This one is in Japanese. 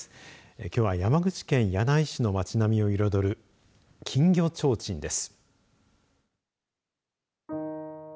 きょうは山口県柳井市の町並みを彩る金魚ちょうちんです。